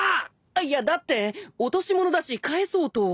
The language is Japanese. いやだって落とし物だし返そうと。